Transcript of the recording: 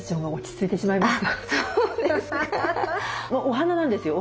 お花なんですよ。